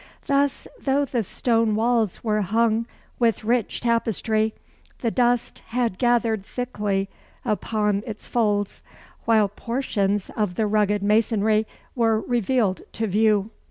Thus, though the stone walls were hung with rich tapestry, the dust had gathered thickly upon its folds, while portions of the rugged masonry were revealed to view.